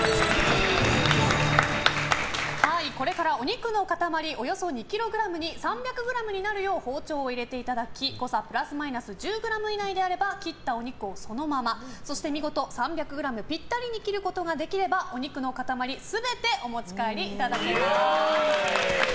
これからお肉の塊およそ２ｋｇに３００ｇになるよう包丁を入れていただき誤差プラスマイナス１０ｇ以内であれば切ったお肉をそのままそして見事３００ｇぴったりに切ることができればお肉の塊全てお持ち帰りいただけます。